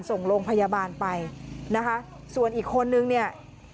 ส่งโรงพยาบาลไปนะคะส่วนอีกคนนึงเนี่ย